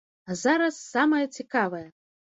А зараз самае цікавае!